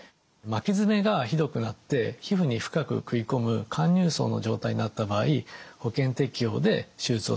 巻き爪がひどくなって皮膚に深くくいこむ陥入爪の状態になった場合保険適用で手術をすることができます。